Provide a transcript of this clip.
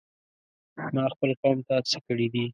ما خپل قوم ته څه کړي دي؟!